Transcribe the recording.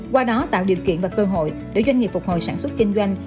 qua đó tạo điều kiện và cơ hội để doanh nghiệp phục hồi sản xuất kinh doanh